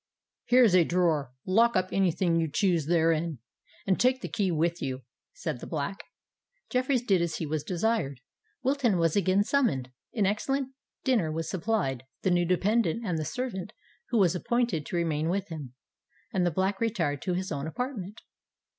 "Here is a drawer—lock up any thing you choose therein, and take the key with you," said the Black. Jeffreys did as he was desired: Wilton was again summoned—an excellent dinner was supplied the new dependant and the servant who was appointed to remain with him;—and the Black retired to his own apartment.